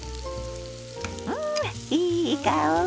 んいい香り！